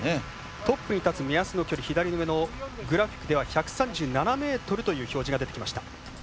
トップに立つ目安の距離左上のグラフィックでは１３７ｍという表示が出てきました。